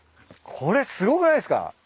これすごくないっすか？